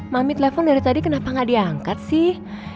mami telfon dari tadi kenapa ga diangkat sih